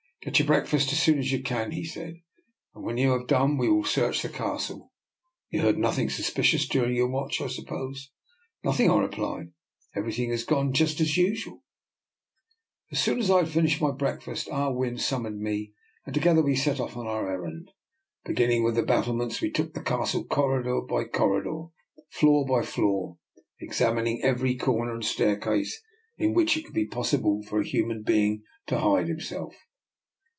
" Get your breakfast as soon as you can," DR. NIKOLA'S EXPERIMENT. 245 he said, " and when you have done, we will search the Castle. You heard nothing sus picious during your watch, I suppose? "" Nothing," I replied. " Everything has gone on just as usual.'* As soon as I had finished my breakfast, Ah Win was summoned, and together we set off on our errand. Beginning with the bat tlements, we took the Castle corridor by cor ridor, floor by floor, examining every corner and staircase in which it would be possible for a human being to hide himself.